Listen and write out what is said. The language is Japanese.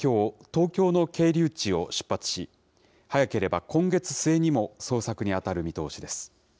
天洋はきょう、東京の係留地を出発し、早ければ今月末にも捜索に当たる見通しです。